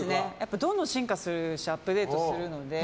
どんどん進化するしアップデートするので。